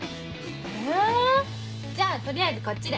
えじゃあ取りあえずこっちで。